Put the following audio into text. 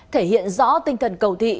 thể hiện rõ tinh thần cầu thị